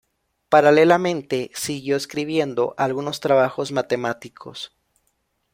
Paralelamente, siguió escribiendo algunos trabajos matemáticos.